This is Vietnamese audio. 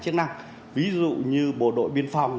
chức năng ví dụ như bộ đội biên phòng